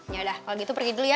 yaudah kalau gitu pergi dulu ya